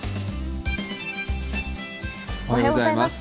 おはようございます。